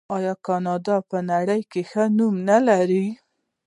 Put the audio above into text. آیا کاناډا په نړۍ کې ښه نوم نلري؟